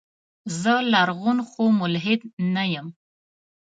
زه لرغون خو ملحد نه يم.